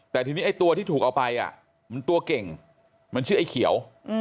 แต่ทีนี้ไอ้ตัวที่ถูกเอาไปมันตัวเก่งมันชื่อไอ้เขียว